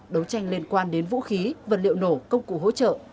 đấu tranh liên quan đến vũ khí vật liệu nổ công cụ hỗ trợ